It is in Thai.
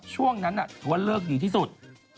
ช่วงนั้นถือว่าเลิกดีที่สุด